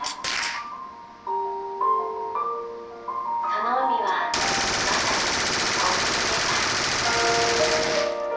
その海はまさに紺碧でした。